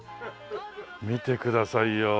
見てくださいよ。